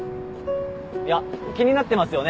いや気になってますよね？